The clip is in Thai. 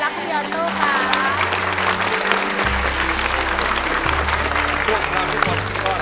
ครับยายเจี๊ยบก็รักพี่ออโต้ค่ะ